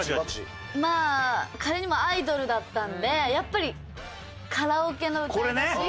まあ仮にもアイドルだったんでやっぱりカラオケの歌い出し。